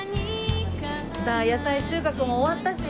さあ野菜収穫も終わったし。